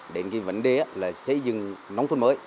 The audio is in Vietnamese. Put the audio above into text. đến cái vấn đề xây dựng nông thôn mới